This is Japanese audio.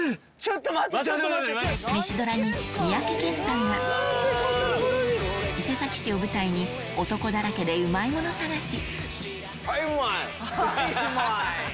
『メシドラ』に伊勢崎市を舞台に男だらけでうまいもの探し！